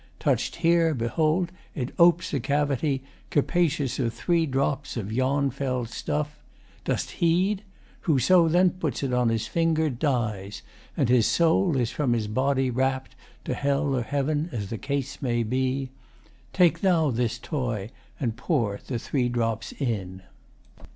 Touch'd here, behold, it opes a cavity Capacious of three drops of yon fell stuff. Dost heed? Whoso then puts it on his finger Dies, and his soul is from his body rapt To Hell or Heaven as the case may be. Take thou this toy and pour the three drops in.